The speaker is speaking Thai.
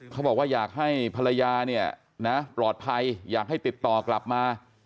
เขาบอกว่าอยากให้ภรรยาเนี่ยนะปลอดภัยอยากให้ติดต่อกลับมา